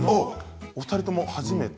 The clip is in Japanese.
お二人とも初めて。